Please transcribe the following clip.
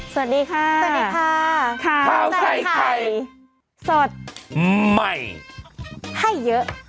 สวัสดีค่ะค่าวใส่ไข่ให้เยอะ